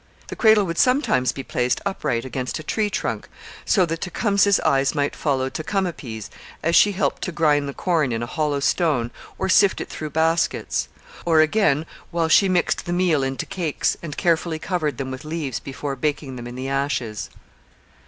The cradle would sometimes be placed upright against a tree trunk, so that Tecumseh's eyes might follow Tecumapease as she helped to grind the corn in a hollow stone or sift it through baskets; or, again, while she mixed the meal into cakes, and carefully covered them with leaves before baking them in the ashes.